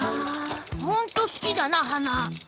・ほんとすきだなはな。